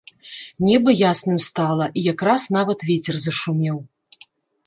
Неба ясным стала, і якраз нават вецер зашумеў.